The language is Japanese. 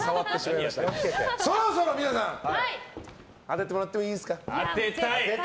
そろそろ皆さん当ててもらってもいいですか。